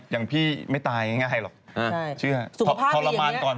ยังไม่ตายอย่างง่ายหรอก